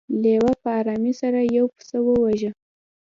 لیوه په ارامۍ سره یو پسه وواژه.